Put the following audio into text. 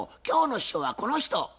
今日の秘書はこの人。